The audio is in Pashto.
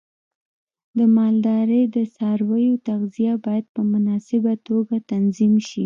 د مالدارۍ د څارویو تغذیه باید په مناسبه توګه تنظیم شي.